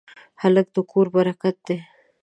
هلک د کور برکت دی.